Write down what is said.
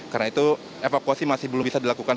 karena itu evakuasi masih belum bisa dilakukan